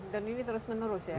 dan ini terus menerus ya